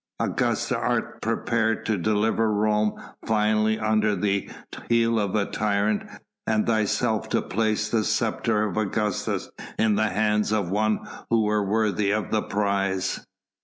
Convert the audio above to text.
Augusta, art prepared to deliver Rome finally from under the heel of a tyrant, and thyself to place the sceptre of Augustus in the hands of one who were worthy of the prize?"